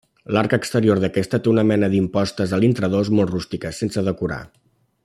L'arc exterior d'aquesta té una mena d'impostes a l'intradós molt rústiques, sense decorar.